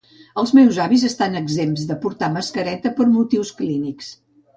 Els meus avis estan exempts de porta mascareta per motius clínics.